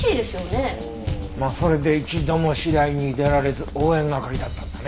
まあそれで一度も試合に出られず応援係だったんだね。